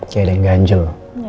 kayak ada yang ganjel